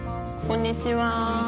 こんにちは。